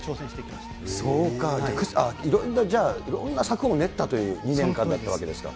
いろんなじゃあ、いろんな策を練ったという変化になっているわけですか。